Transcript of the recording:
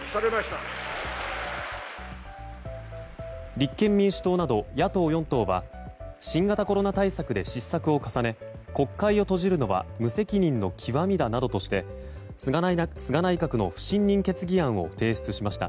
立憲民主党など野党４党は新型コロナ対策で失策を重ね国会を閉じるのは無責任の極みだなどとして菅内閣の不信任決議案を提出しました。